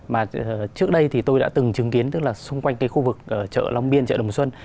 mà trước đây thì tôi đã từng chứng kiến tức là xung quanh cái khu vực chợ long biên chợ đồng xuân